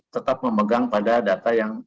tetap memegang pada data yang